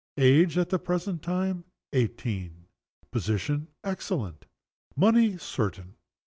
Age, at the present time, eighteen. Position, excellent. Money, certain.